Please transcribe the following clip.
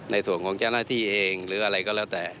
ในส่วนของเจ้าหน้าที่เองหรืออะไรก็แล้วแต่